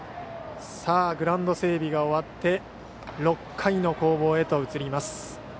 グラウンド整備が終わって６回の攻防へと移ります。